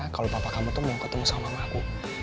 kalau papa kamu tuh mau ketemu sama mama aku